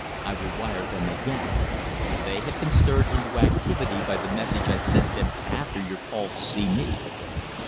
I will wire them again. They have been stirred into activity by the message I sent them after your call to see me."